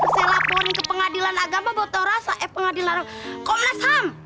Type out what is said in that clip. saya lapor ke pengadilan agama buat orang eh pengadilan eh komnas ham